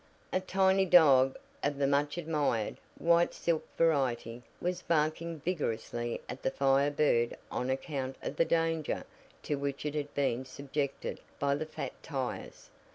A tiny dog, of the much admired, white silk variety, was barking vigorously at the Fire Bird on account of the danger to which it had been subjected by the fat tires.